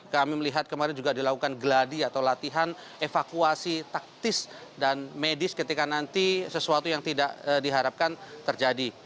kami melihat kemarin juga dilakukan gladi atau latihan evakuasi taktis dan medis ketika nanti sesuatu yang tidak diharapkan terjadi